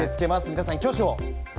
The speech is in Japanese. みなさん挙手を。